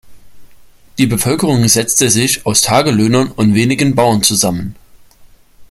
Die Bevölkerung setzte sich aus Tagelöhnern und wenigen Bauern zusammen.